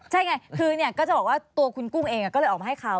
ใช่ไงคือก็จะบอกว่าตัวคุณกุ้งเองก็เลยออกมาให้ข่าว